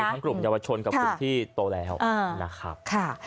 ก็มีทั้งกลุ่มเยาวชนกับทุกที่โตแรนะครับ